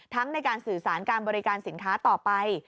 ในการสื่อสารการบริการสินค้าต่อไป